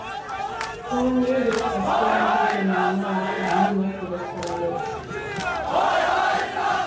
Prueba de ello es que antes se denominaba Jaramillo de los Caballeros.